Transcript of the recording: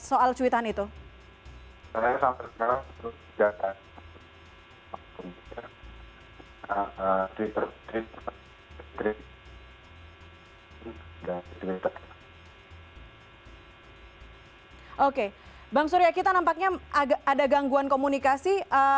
oke bang surya kita nampaknya ada gangguan komunikasi